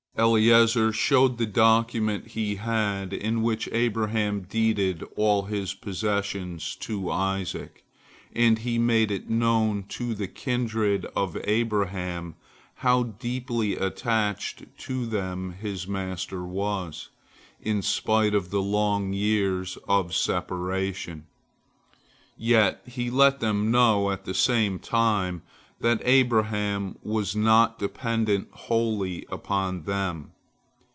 Eliezer showed the document he had in which Abraham deeded all his possessions to Isaac, and he made it known to the kindred of Abraham, how deeply attached to them his master was, in spite of the long years of separation. Yet he let them know at the same time that Abraham was not dependent wholly upon them.